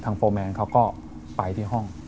โฟร์แมนเขาก็ไปที่ห้อง